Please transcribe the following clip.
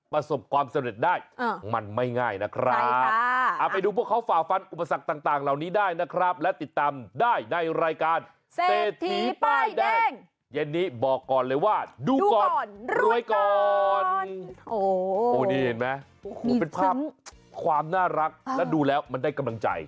พร้อมกับน้องแมวเป็นที่เรียบร้อยแล้วก็มีความสุขกันแล้วแหละ